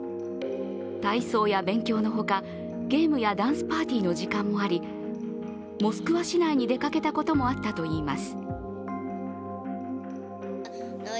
体操や勉強のほか、ゲームやダンスパーティーの時間もありモスクワ市内に出かけたこともあったといいます。